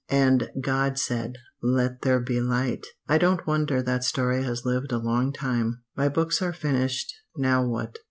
'And God said Let there be light' I don't wonder that story has lived a long time. "My books are finished. Now what?